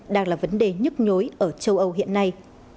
đang là vấn đề nhức nhối ở châu âu hiện nay